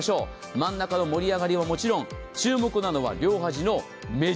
真ん中の盛り上がりはもちろん、注目なのは両端の目地。